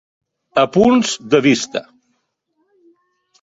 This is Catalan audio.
Apunts de vista.